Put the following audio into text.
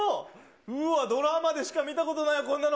うわー、ドラマでしか見たことない、こんなの。